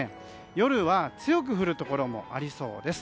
夜は強く降るところもありそうです。